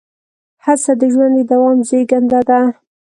هڅه د ژوند د دوام زېږنده ده.